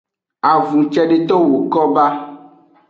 Avun cedeto woko ba.